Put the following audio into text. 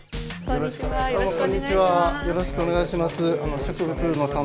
よろしくお願いします。